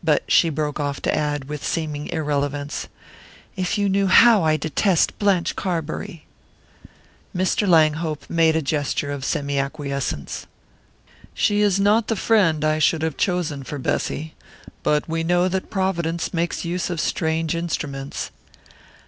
But she broke off to add, with seeming irrelevance: "If you knew how I detest Blanche Carbury!" Mr. Langhope made a gesture of semi acquiescence. "She is not the friend I should have chosen for Bessy but we know that Providence makes use of strange instruments."